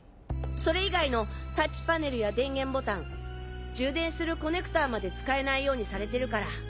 それ以外のタッチパネルや電源ボタン充電するコネクターまで使えないようにされてるから。